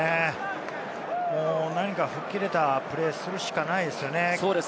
もう何か吹っ切れたプレーをするしかないですよね。